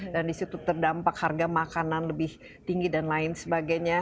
dan di situ terdampak harga makanan lebih tinggi dan lain sebagainya